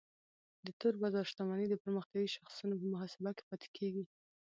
د تور بازار شتمنۍ د پرمختیایي شاخصونو په محاسبه کې پاتې کیږي.